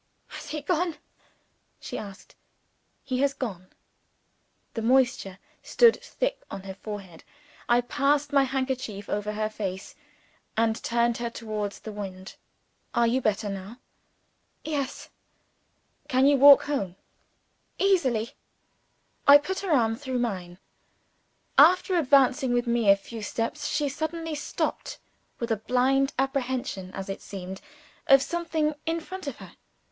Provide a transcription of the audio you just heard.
"Has he gone?" she asked. "He has gone." The moisture stood thick on her forehead. I passed my handkerchief over her face, and turned her towards the wind. "Are you better now?" "Yes." "Can you walk home?" "Easily." I put her arm in mine. After advancing with me a few steps, she suddenly stopped with a blind apprehension, as it seemed, of something in front of her.